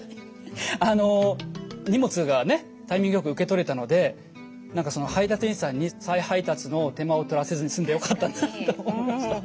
荷物がねタイミングよく受け取れたので何かその配達員さんに再配達の手間をとらせずに済んでよかったなと思いました。